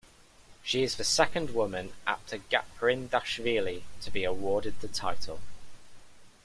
She is the second woman, after Gaprindashvili, to be awarded the title.